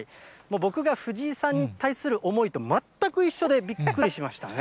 僕が藤井さんに対する思いと全く一緒で、びっくりしましたね。